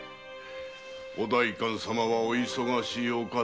お代官様はお忙しいお方。